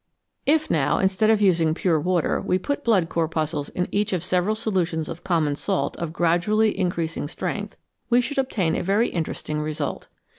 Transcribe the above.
If, now, instead of using pure water we put blood corpuscles in each of several solutions of common salt of gradually increasing strength, we should obtain a very interesting result.